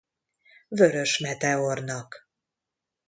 Vörös Meteornak.